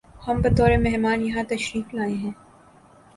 ہم بطور مہمان یہاں تشریف لائے ہیں